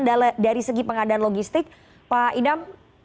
dari segi pengadaan logistik pak idam